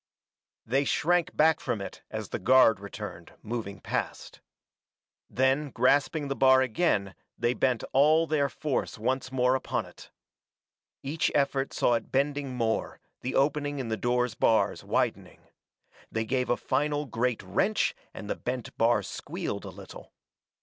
They shrank back from it as the guard returned, moving past. Then grasping the bar again they bent all their force once more upon it. Each effort saw it bending more, the opening in the door's bars widening. They gave a final great wrench and the bent bar squealed a little.